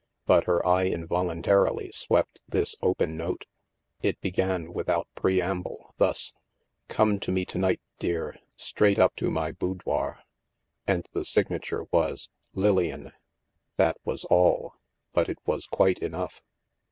But her eye involuntarily swept this open note. It began without preamble, thus :" Come to me to morrow, dear, straight up to my boudoir." And the signature was " Lilian." That was all. But it was quite enough.